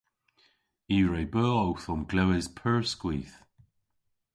I re beu owth omglewas pur skwith.